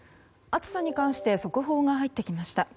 暑さに関して速報が入ってきました。